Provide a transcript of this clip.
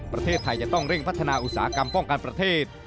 ประเทศไทยจะต้องเร่งพัฒนาอุตสาหกรรมป้องกันประเทศ